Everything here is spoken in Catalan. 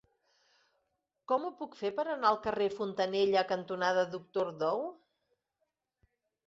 Com ho puc fer per anar al carrer Fontanella cantonada Doctor Dou?